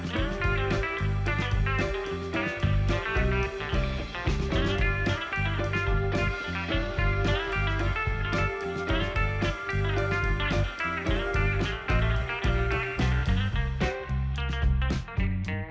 hẹn gặp lại